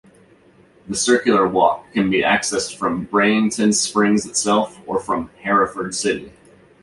This circular walk can be accessed from Breinton Springs itself, or from Hereford city.